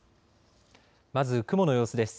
まず雲の様子です。